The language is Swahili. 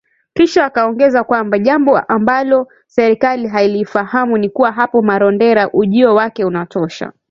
Kisha akaongeza kwamba jambo ambalo serikali hailifahamu ni kuwa hapa Marondera ujio wake unatosha